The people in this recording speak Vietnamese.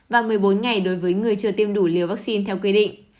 và một mươi bốn ngày đối với người chưa tiêm đủ liều vaccine theo quy định